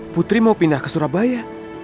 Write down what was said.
putri mau pindah ke surabaya